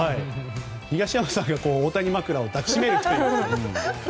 東山さんがオオタニ枕を抱きしめるという。